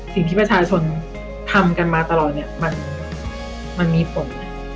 สิ่งที่ประชาชนทำกันมาตลอดเนี่ยมันมีผล